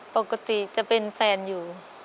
ปกติจะเป็นแฟนอยู่